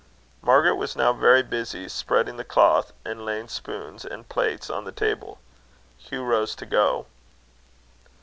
Margaret was now very busy spreading the cloth and laying spoon and plates on the table. Hugh rose to go.